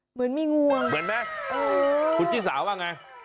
เหมือนมีงวงเหมือนไหมคุณชิสาว่าไง